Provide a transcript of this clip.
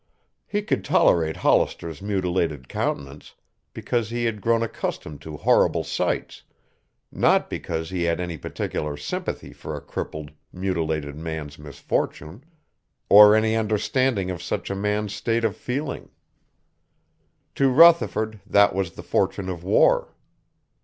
He could tolerate Hollister's mutilated countenance because he had grown accustomed to horrible sights, not because he had any particular sympathy for a crippled, mutilated man's misfortune, or any understanding of such a man's state of feeling. To Rutherford that was the fortune of war.